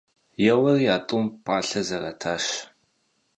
Еуэри а тӀум пӀалъэ зэрэтащ.